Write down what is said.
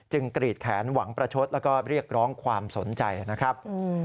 กรีดแขนหวังประชดแล้วก็เรียกร้องความสนใจนะครับ